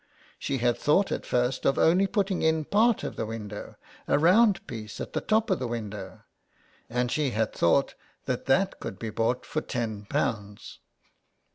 She had thought at first of only putting in part of the window, a round piece at the top of the window, and she had thought that that could be bought for ten pounds.